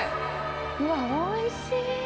うわ、おいしい。